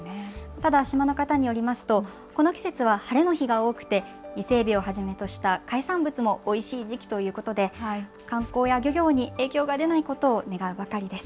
ただ島の方によりますとこの季節は晴れの日が多くて、伊勢えびをはじめとした海産物もおいしい時期ということで観光や漁業に影響が出ないことを願うばかりです。